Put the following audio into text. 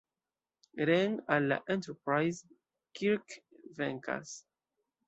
Reen al la Enterprise, Kirk vekas.